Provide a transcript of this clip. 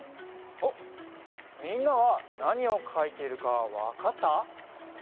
あっみんなはなにをかいているかわかった？